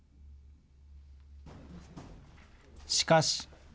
しかし。